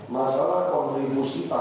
masalah kontribusi tambahan